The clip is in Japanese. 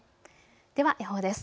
では予報です。